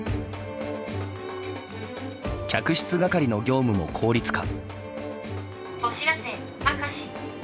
客室係の業務も効率化。